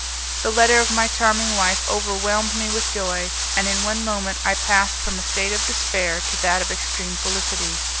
The letter of my charming wife overwhelmed me with joy, and in one moment I passed from a state of despair to that of extreme felicity.